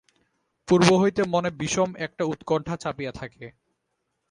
পূর্ব হইতে মনে বিষম একটা উৎকণ্ঠা চাপিয়া থাকে।